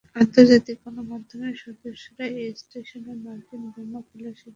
আন্তর্জাতিক গণমাধ্যমের সদস্যরা এই স্টেশনে মার্কিন বোমা ফেলার সিদ্ধান্ত নিয়েছিল।